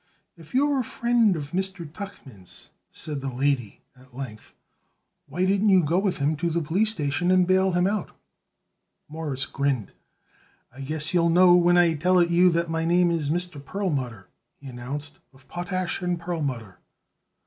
"If you're a friend of Mr. Tuchman's," said the lady at length, "why didn't you go with him to the police station and bail him out?" Morris grinned. "I guess you'll know when I tell it you that my name is Mr. Perlmutter," he announced, "of Potash & Perlmutter."